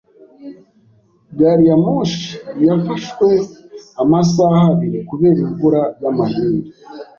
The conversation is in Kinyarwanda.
Gari ya moshi yafashwe amasaha abiri kubera imvura y'amahindu.